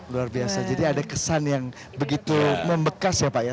luar biasa jadi ada kesan yang begitu membekas ya pak ya